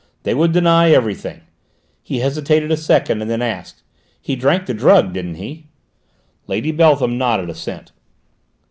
"They would deny everything." He hesitated a second, and then asked: "He drank the drug, didn't he?" Lady Beltham nodded assent.